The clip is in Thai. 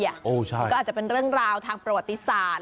มันก็อาจจะเป็นเรื่องราวทางประวัติศาสตร์